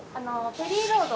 ペリーロード！